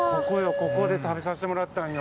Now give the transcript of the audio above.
ここで食べさせてもらったんよ。